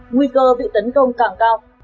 nguy cơ bị tấn công càng cao